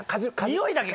においだけ。